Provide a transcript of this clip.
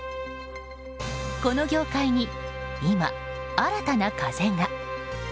この業界に今、新たな風が。